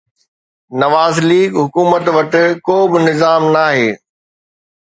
Nawaz league حڪومت وٽ ڪو به نظام ناهي.